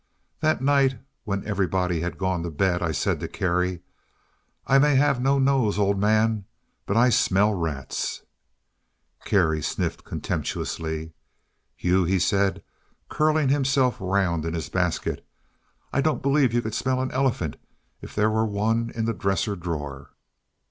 That night, when everybody had gone to bed, I said to Kerry, "I may have no nose, old man, but I smell rats." Kerry sniffed contemptuously. "You!" said he, curling himself round in his basket; "I don't believe you could smell an elephant if there were one in the dresser drawer."